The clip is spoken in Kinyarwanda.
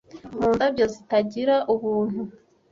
mu ndabyo zitagira ubuntu